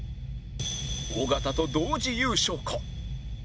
尾形と同時優勝か？